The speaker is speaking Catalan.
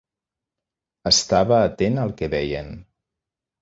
Estava atent al que deien.